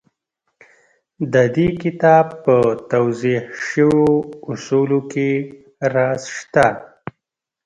د دې کتاب په توضيح شويو اصولو کې راز شته.